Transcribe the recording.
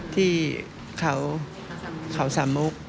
ที่เขาสามมุก